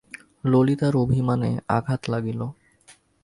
ললিতার অভিমানে আঘাত লাগিল।